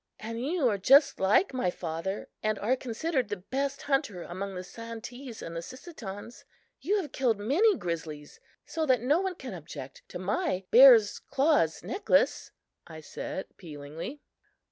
"And you are just like my father and are considered the best hunter among the Santees and Sissetons. You have killed many grizzlies so that no one can object to my bear's claws necklace," I said appealingly.